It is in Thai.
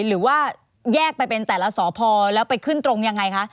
หรือว่าแยกไปเป็นแต่ละสพแล้วไปขึ้นตรงยังไงคะ